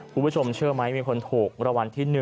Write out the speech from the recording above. คุณผู้ชมเชื่อไหมมีคนถูกรางวัลที่๑